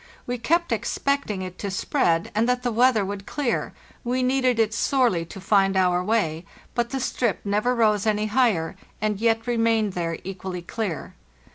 We kept expecting it to spread, and that the weather would clear; we needed it sorely to find our way; but the strip never rose any higher, and yet remained there equally clear.